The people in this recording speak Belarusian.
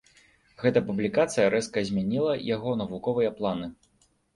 Гэта публікацыя рэзка змяніла яго навуковыя планы.